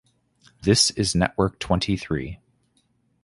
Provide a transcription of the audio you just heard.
This is network twenty three.